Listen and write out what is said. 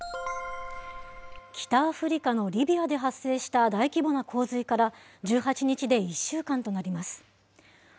北アフリカのリビアで発生した大規模な洪水から１８日で１週間となります。